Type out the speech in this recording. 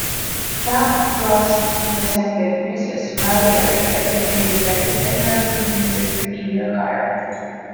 McCloskey presented Mrs. Mallard as an independent and nonsubmissive female character.